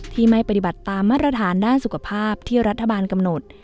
ที่ไม่ปฏิบัติตามมาตรฐานด้านสุขภาพที่รัฐบาลกำหนด